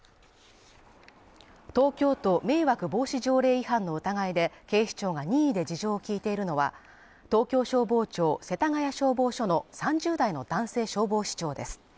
東京都迷惑防止条例違反の疑いで警視庁が任意で事情を聞いているのは東京消防庁世田谷消防署の３０代の男性消防士長です。